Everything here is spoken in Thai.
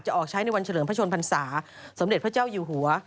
ออกใช้ในวันเฉลิมพระชนพรรษาสมเด็จพระเจ้าอยู่หัว